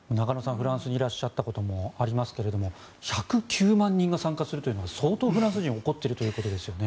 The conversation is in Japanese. フランスにいらっしゃったこともありますけれども１０９万人が参加するというのは相当、フランス人怒ってるということですよね。